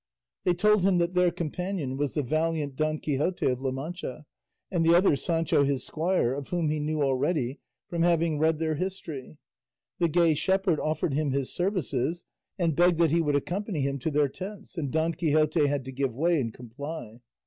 They told him that their companion was the valiant Don Quixote of La Mancha, and the other Sancho his squire, of whom he knew already from having read their history. The gay shepherd offered him his services and begged that he would accompany him to their tents, and Don Quixote had to give way and comply.